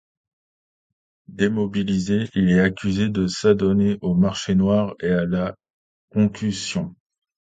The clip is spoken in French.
Démobilisé, il est accusé de s'adonner au marché noir et à la concussion.